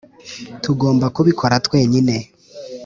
tugomba kubikora twenyine.